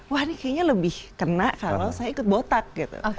wah ini kayaknya lebih kena kalau saya ikut botak gitu